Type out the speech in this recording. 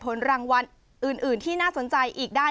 ผลรางวัลอื่นที่น่าสนใจอีกได้